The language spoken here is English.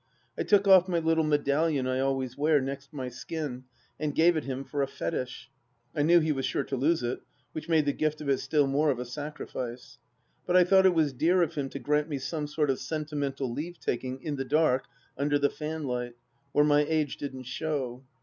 I took off my little medallion I always wear, next my skin, and gave it him for a fetish. I knew he was sure to lose it, which made the gift of it still more of a sacrifice. But I thought it was dear of him to grant me some sort of senti mental leave taking, in the dark, under the fanlight ... where my age didn't show.